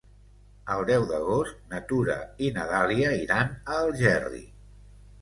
El deu d'agost na Tura i na Dàlia iran a Algerri.